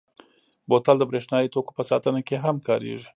بوتل د برېښنايي توکو په ساتنه کې هم کارېږي.